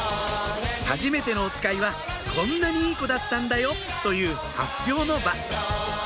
『はじめてのおつかい』はこんなにいい子だったんだよ！という発表の場